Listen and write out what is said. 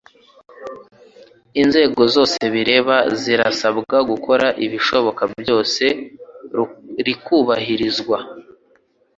Inzego zose bireba zirasabwa gukora ibishoboka byose rikubahirizwa.